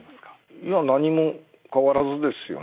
いや何も変わらずですよね。